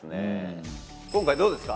今回どうですか？